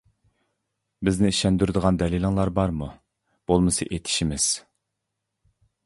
— بىزنى ئىشەندۈرىدىغان دەلىلىڭلار بارمۇ؟ بولمىسا ئېتىشىمىز!